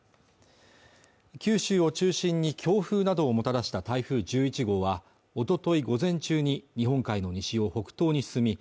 九州を中心に強風などをもたらした台風１１号はおととい午前中に日本海の西を北東に進み